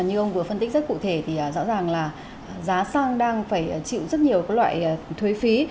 như ông vừa phân tích rất cụ thể thì rõ ràng là giá xăng đang phải chịu rất nhiều loại thuế phí